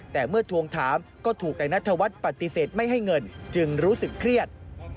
แต่เมื่อทวงถามก็ถูกนายนัทวัฒน์ปฏิเสธไม่ให้เงินจึงรู้สึกเครียด